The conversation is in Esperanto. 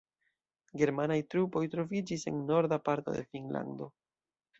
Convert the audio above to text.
Germanaj trupoj troviĝis en norda parto de Finnlando.